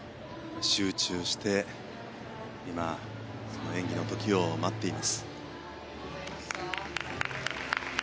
集中して今演技の時を待っています。